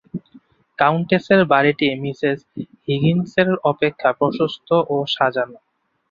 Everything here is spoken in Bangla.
কাউণ্টেসের বাড়ীটি মিসেস হিগিন্সের অপেক্ষা প্রশস্ত ও সাজান।